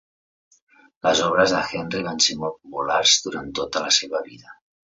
Les obres de Henry van ser molt populars durant tota la seva vida.